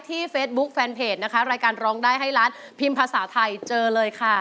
เฟซบุ๊คแฟนเพจนะคะรายการร้องได้ให้ล้านพิมพ์ภาษาไทยเจอเลยค่ะ